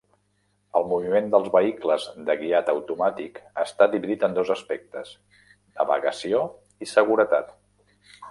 El moviment dels vehicles de guiat automàtic està dividit en dos aspectes: navegació i seguretat.